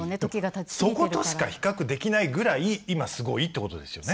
そことしか比較できないぐらい今すごいってことですよね。